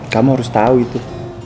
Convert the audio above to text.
kamu harus tahu itu